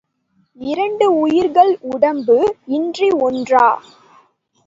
இரண்டு உயிர்கள் உடம்பு இன்றி ஒன்றா.